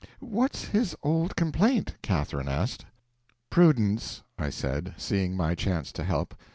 "What's his old complaint?" Catherine asked. "Prudence," I said, seeing my chance to help.